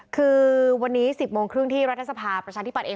คือวันนี้๑๐โมงครึ่งที่รัฐสภาพิชาลที่ปัดเอง